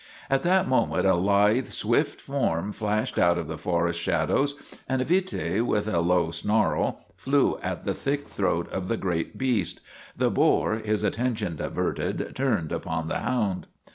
At that moment a lithe, swift form flashed out of the forest shadows and Vite, with a low snarl, flew at the thick throat of the great beast. The boar, his attention diverted, turned upon the hound.